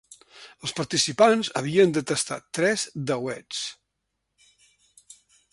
Els participants havien de tastar tres dauets.